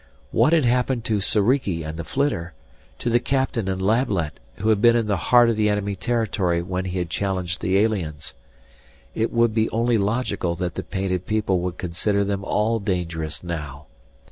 What had happened to Soriki and the flitter, to the captain and Lablet, who had been in the heart of the enemy territory when he had challenged the aliens? It would be only logical that the painted people would consider them all dangerous now.